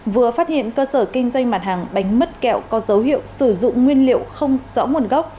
vừa phát hiện cơ sở kinh doanh mặt hàng bánh mứt kẹo có dấu hiệu sử dụng nguyên liệu không rõ nguồn gốc